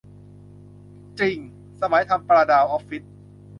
จริง สมัยทำปลาดาวออฟฟิศ